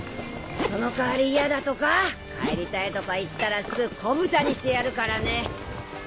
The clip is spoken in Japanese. その代わりイヤだとか帰りたいとか言ったらすぐ子豚にしてやるからね。